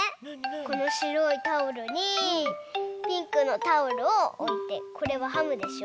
このしろいタオルにピンクのタオルをおいてこれはハムでしょ！